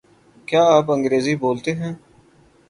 کیا آپ انگریزی بولتے ہیں؟